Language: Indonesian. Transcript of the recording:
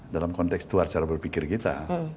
dalam konteks luar cara berpikir kita